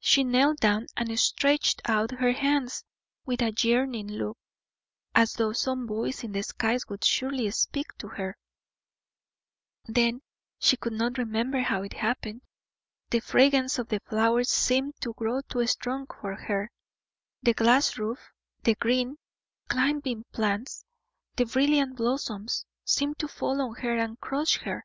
She knelt down and stretched out her hands with a yearning look, as though some voice in the skies would surely speak to her; then she could not remember how it happened, the fragrance of the flowers seemed to grow too strong for her, the glass roof, the green, climbing plants, the brilliant blossoms, seemed to fall on her and crush her.